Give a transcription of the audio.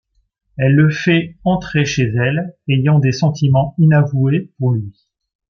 Elle le fait entrer chez elle, ayant des sentiments inavoués pour lui.